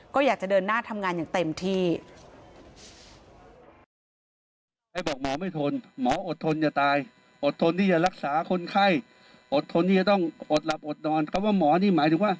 ก็อยากจะเดินหน้าทำงานอย่างเต็มที่